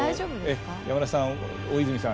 山田さん大泉さん